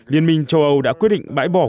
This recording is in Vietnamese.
liên minh châu âu đã quyết định bãi bỏ